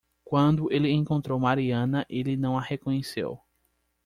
Quando ele encontrou Mariana ele não a reconheceu.